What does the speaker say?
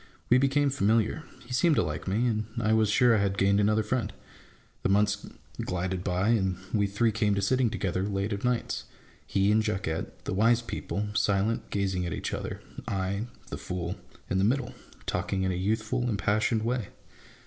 We became familiar : he seemed to like me, and I was sure I had gained another friend. The months glided by, and we three came to sitting together late of nights : he and Jacquette, the wise people, silent, gazing at each other ; I, the fool, in the middle, talking in a youthful, impassioned way.